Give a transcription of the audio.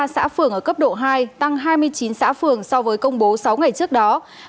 hai trăm chín mươi ba xã phường ở cấp độ hai tăng hai mươi chín xã phường so với công bố sáu ngày trước đó